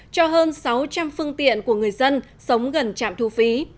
cho hơn sáu trăm linh phương tiện của người dân sống gần trạm thu phí